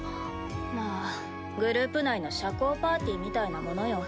まあグループ内の社交パーティーみたいなものよ。